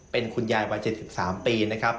เป็นคุณยายวัย๗๓ปี